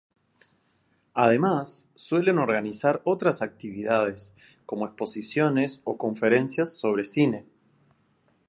Además, suelen organizar otras actividades, como exposiciones o conferencias sobre cine.